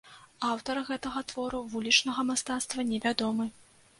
Аўтар гэтага твору вулічнага мастацтва невядомы.